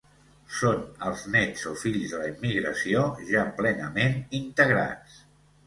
Són els néts o fills de la immigració, ja plenament integrats.